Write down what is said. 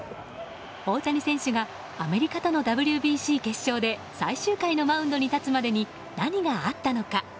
大谷選手がアメリカとのＷＢＣ決勝で最終回のマウンドに立つまでに何があったのか。